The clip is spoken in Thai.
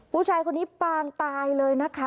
ผู้ชายคนนี้ปางตายเลยนะคะ